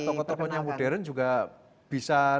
ya tokoh tokohnya modern juga bisa diperkenalkan